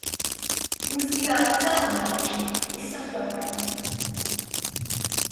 Jūs bijāt celmlauži visam jaunajam.